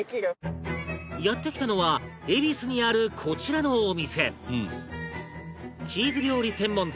やって来たのは恵比寿にあるこちらのお店